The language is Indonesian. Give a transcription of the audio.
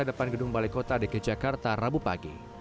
di depan gedung balai kota dg jakarta rabu pagi